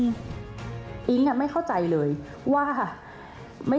ก็พูดเสียงดังฐานชินวัฒน์